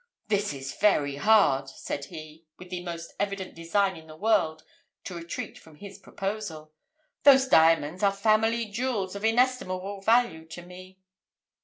"This is very hard!" said he, with the most evident design in the world to retreat from his proposal. "Those diamonds are family jewels of inestimable value to me."